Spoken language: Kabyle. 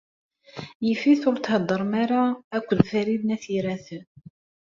Yif-it ur theddṛem ara akked Farid n At Yiraten.